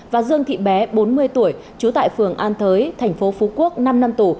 và dương thị bé bốn mươi tuổi trú tại phường an thới thành phố phú quốc năm năm tù